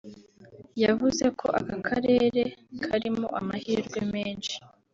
yavuze ko aka karere karimo amahirwe menshi